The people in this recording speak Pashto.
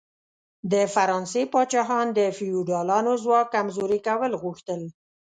د فرانسې پاچاهان د فیوډالانو ځواک کمزوري کول غوښتل.